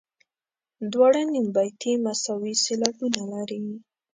دواړه نیم بیتي مساوي سېلابونه لري.